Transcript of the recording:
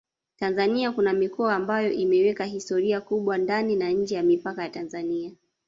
Tanzania kuna mikoa ambayo imeweka historia kubwa ndani na nje ya mipaka ya Tanzania